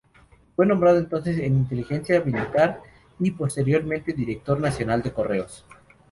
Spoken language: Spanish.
Fue nombrado entonces en Inteligencia Militar y posteriormente director nacional de Correos.